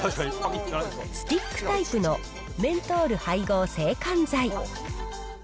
スティックタイプのメントール配合制汗剤。